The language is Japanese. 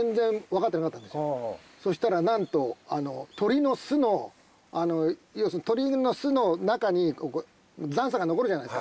そしたらなんと鳥の巣の要するに鳥の巣の中に残渣が残るじゃないですか。